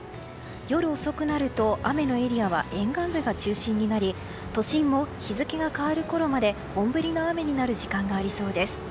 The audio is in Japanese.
夜遅くなると雨のエリアは沿岸部が中心になり都心も日付が変わるころまで本降りの雨になる時間がありそうです。